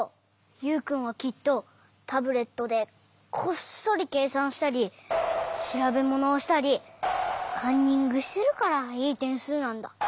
ユウくんはきっとタブレットでこっそりけいさんしたりしらべものをしたりカンニングしてるからいいてんすうなんだ。